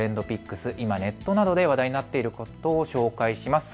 今、ネットなどで話題になっていることを紹介します。